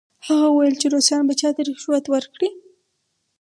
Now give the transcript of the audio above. هغه وویل چې روسان به چا ته رشوت ورکړي؟